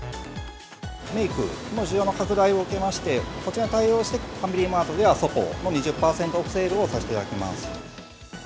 メークの需要の拡大を受けまして、こちら対応して、ファミリーマートではソポーの２０％オフセールをさせていただ